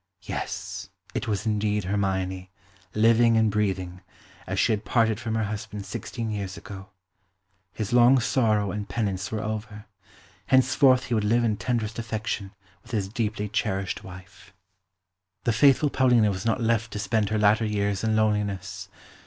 Yes, it was indeed Hermione, living and breathing, as she had parted from her husband sixteen years ago. His long sorrow and penance were over; henceforth he would live in tenderest affection with his deeply cherished wife. The faithful Paulina was not left to spend her latter years in loneliness.